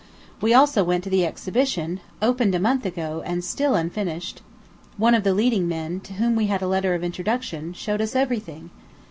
We also went to the exhibition, opened a month ago and still unfinished; one of the leading men, to whom we had a letter of introduction, showed us everything.